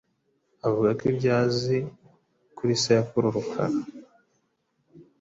avuga ko ibyo azi kuri sekuru Rukara